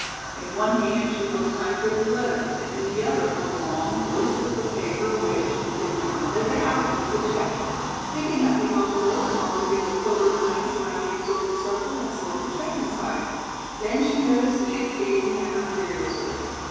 In one hand she held a typewritten letter and in the other a long blue slip of paper which, beyond a doubt, was a check. Picking up the envelope, Molly gave a covert glance around the absorbed circle and slipped the check inside. Then she noticed Nance gazing at her curiously.